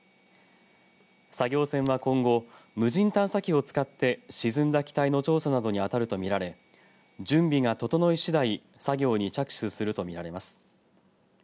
作業船は今後無人探査機を使って沈んだ機体の調査などに当たると見られ準備が整いしだい作業に着手するとみられます。